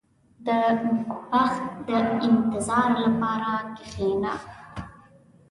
• د بخت د انتظار لپاره کښېنه.